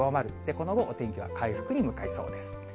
この後、お天気は回復に向かいそうです。